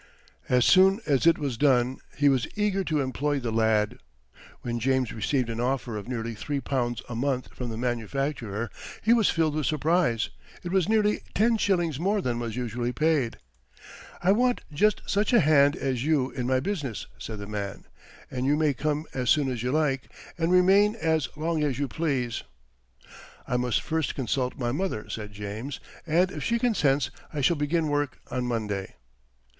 As soon as it was done, he was eager to employ the lad. When James received an offer of nearly three pounds a month from the manufacturer, he was filled with surprise. It was nearly ten shillings more than was usually paid. "I want just such a hand as you in my business," said the man; "and you may come as soon as you like, and remain as long as you please." "I must first consult my mother," said James, "and if she consents, I will begin work on Monday."